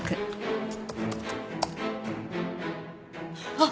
あっ！